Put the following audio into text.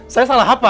saya salah hapa pak